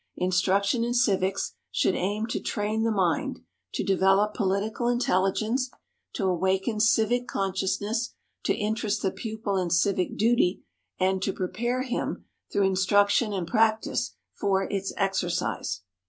Instruction in civics should aim to train the mind, to develop political intelligence, to awaken civic consciousness, to interest the pupil in civic duty, and to prepare him, through instruction and practice, for its exercise.